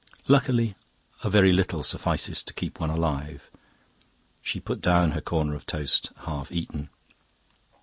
'Luckily a very little suffices to keep one alive.' She put down her corner of toast half eaten.